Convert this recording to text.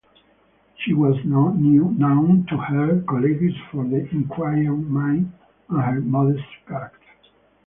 She was known to her colleagues for her enquiring mind and her modest character.